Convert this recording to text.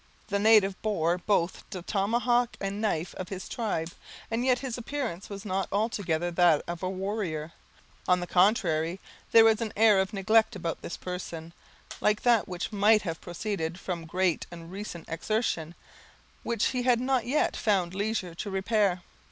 The native bore both the tomahawk and knife of his tribe; and yet his appearance was not altogether that of a warrior. On the contrary, there was an air of neglect about his person, like that which might have proceeded from great and recent exertion, which he had not yet found leisure to repair.